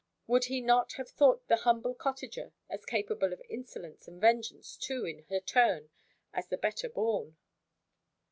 Would he not have thought the humble cottager as capable of insolence, and vengeance too, in her turn, as the better born?